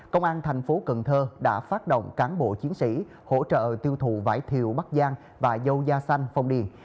công an thành phố cần thơ đã phát động cán bộ chiến sĩ hỗ trợ tiêu thụ vải thiều bắc giang và dâu da xanh phong điền